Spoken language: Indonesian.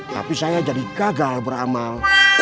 tapi saya jadi gagal beramal